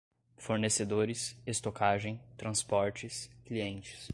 fornecedores, estocagem, transportes, clientes